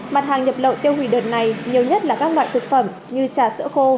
mặt hàng nhập lậu tiêu hủy đợt này nhiều nhất là các loại thực phẩm như trà sữa khô